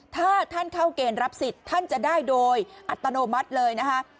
ถ้าท่านเข้าเกณฑ์รับสิทธิ์ท่านจะได้โดยอัตโนมัติเลยนะคะ